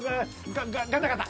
ガガガタガタ。